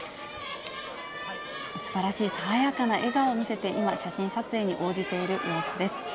すばらしい爽やかな笑顔を見せて、今、写真撮影に応じている様子です。